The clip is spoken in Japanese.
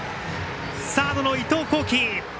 サードの伊藤光輝！